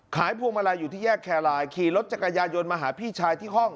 พวงมาลัยอยู่ที่แยกแครลายขี่รถจักรยายนมาหาพี่ชายที่ห้อง